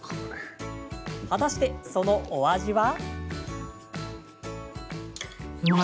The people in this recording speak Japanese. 果たして、そのお味は？